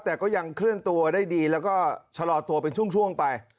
แต่ก็ยังเคลื่อนตัวได้ดีแล้วก็ชะลอตัวเป็นช่วงไป